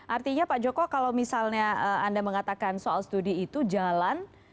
artinya pak joko kalau misalnya anda mengatakan soal studi itu jalan